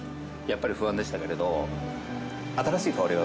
やっぱり不安でしたけれど。